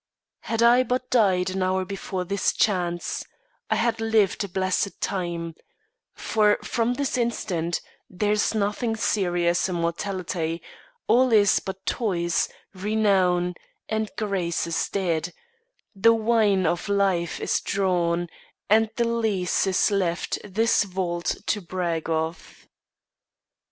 Had I but died an hour before this chance, I had liv'd a blessed time; for from this instant, There's nothing serious in mortality: All is but toys; renown, and grace is dead; The wine of life is drawn, and the lees Is left this vault to brag of.